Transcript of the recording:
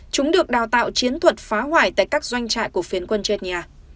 chúng được đào tạo chiến thuật phá hoại tại các doanh trại của phiến quân chết nhà